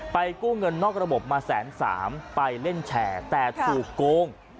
ไปกู้เงินนอกระบบมา๑๓๐๐๐๐บาทไปเล่นแฉ่แต่ถูกโกง